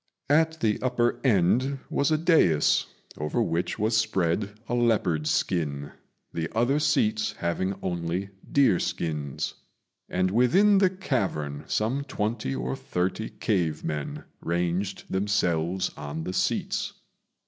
At the upper end was a dais, over which was spread a leopard's skin, the other seats having only deer skins; and within the cavern some twenty or thirty cave men ranged themselves on the seats.